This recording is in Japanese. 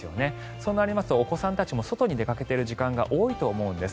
そうなりますとお子様たちも外に出かけている時間が多いと思うんです。